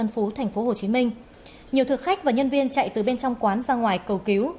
nhiều thực khách và nhân viên chạy từ bên trong quán ra ngoài cầu cứu